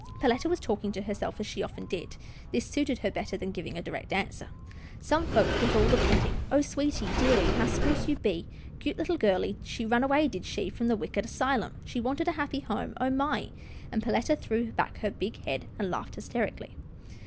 Perletta was talking to herself, as she often did. This suited her better than giving a direct answer. " Some folks gits all the pettin' — Oh ! sweetie, dearie, how spruce you be — 'cute little girlie — she run away, did she, from the wicked 'sylum. She wanted a happy home. Oh, my !" and Per letta threw back her big head, and laughed hys terically.